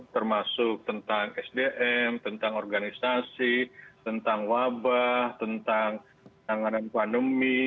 termasuk tentang sdm tentang organisasi tentang wabah tentang penanganan pandemi